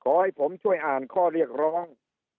ขอให้ผมช่วยอ่านข้อเรียกร้อง